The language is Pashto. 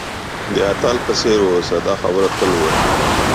د اتل په څېر اوسه او دا خبره تل وایه.